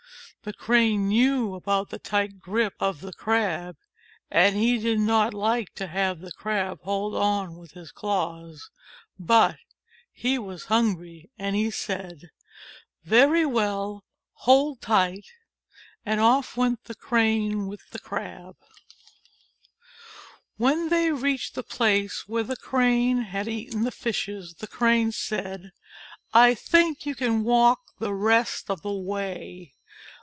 The Crane knew about the tight grip of the Crabs, and he did not like to have the Crab hold on with his claws. But he was hungry, so he said : "Very well, hold tight." 87 And off went the Crane with the Crab. 88 THE CRAB AND THE CRANE And off went the Crane with the Crab. When they reached the place where the Crane had eaten the Fishes, the Crane said: "I think you can walk the rest of the way.